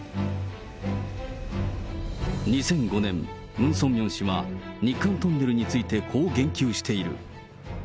２００５年、ムン・ソンミョン氏は、日韓トンネルについてこう言及している。